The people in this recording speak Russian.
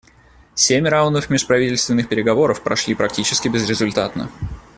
Семь раундов межправительственных переговоров прошли практически безрезультатно.